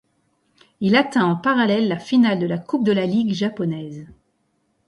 Il atteint en parallèle la finale de la Coupe de la Ligue japonaise.